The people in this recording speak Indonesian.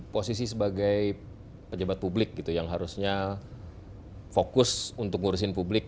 posisi sebagai pejabat publik gitu yang harusnya fokus untuk ngurusin publik